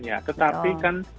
iya tetapi kan